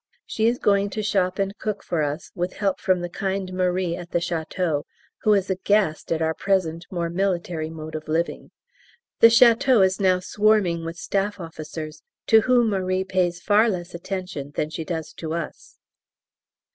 She is going to shop and cook for us, with help from the kind Marie at the Château, who is aghast at our present more military mode of living. The Château is now swarming with Staff Officers, to whom Marie pays far less attention than she does to us!